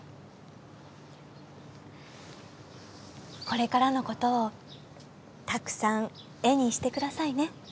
これからのことをたくさん絵にしてくださいね。